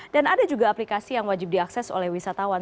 dan ada juga aplikasi yang wajib diakses oleh wisatawan